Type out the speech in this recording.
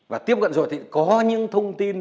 và tiếp cận rồi thì có những thông tin